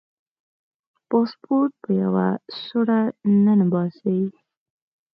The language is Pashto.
پاسپورټ په یوه سوړه ننباسي.